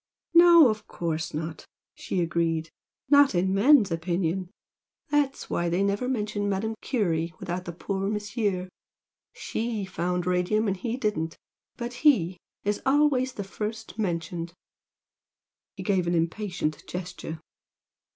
"No, of course not!" she agreed "Not in men's opinion. That's why they never mention Madame Curie without the poor Monsieur! SHE found radium and he didn't, but 'he' is always first mentioned." He gave an impatient gesture.